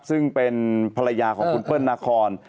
ซึ่งเป็นภรรยาของคุณเปิ้ลนาคอน